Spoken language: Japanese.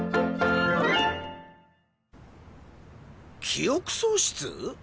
記憶喪失？